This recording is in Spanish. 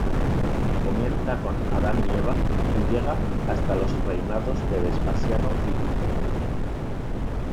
Comienza con Adán y Eva y llega hasta los reinados de Vespasiano y Tito